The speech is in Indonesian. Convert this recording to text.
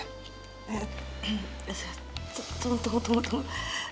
tunggu tunggu tunggu